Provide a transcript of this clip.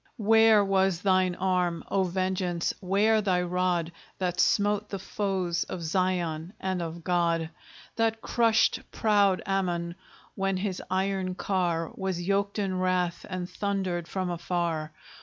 Where was thine arm, O Vengeance! where thy rod, That smote the foes of Zion and of God; That crushed proud Ammon, when his iron car Was yoked in wrath, and thundered from afar?